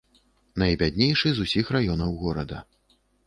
Найбяднейшы з усіх раёнаў горада.